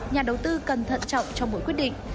nhà đầu tư cần thận trọng trong mỗi quyết định